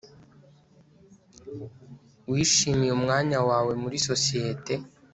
wishimiye umwanya wawe muri sosiyete